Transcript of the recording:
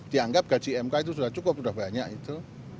dianggap gaji mk itu sudah cukup sudah banyak itu